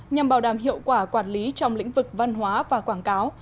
nhằm bảo đảm hiệu quả quản lý trong lĩnh vực văn hóa và quảng cáo